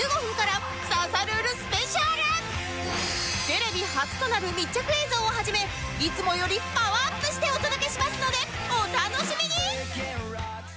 テレビ初となる密着映像をはじめいつもよりパワーアップしてお届けしますのでお楽しみに！